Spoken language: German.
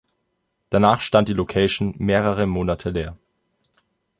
Danach stand die Location mehrere Monate leer.